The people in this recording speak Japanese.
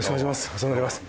お世話になります。